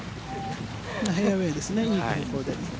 フェアウェイですねいい所で。